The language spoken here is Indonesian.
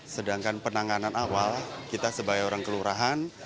sedangkan penanganan awal kita sebagai orang kelurahan